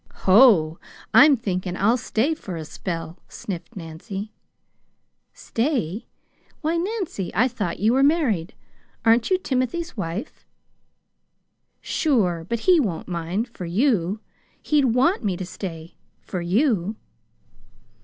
"Ho! I'm thinkin' I'll stay for a spell," sniffed Nancy. "Stay! Why, Nancy, I thought you were married. Aren't you Timothy's wife?" "Sure! But he won't mind for you. He'd WANT me to stay for you."